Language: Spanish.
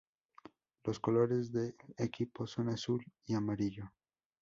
Los colores del equipo son azul y amarillo.